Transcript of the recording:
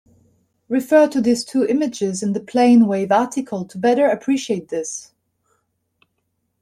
Refer to these two images in the plane wave article to better appreciate this.